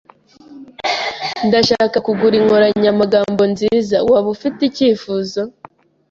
Ndashaka kugura inkoranyamagambo nziza. Waba ufite icyifuzo?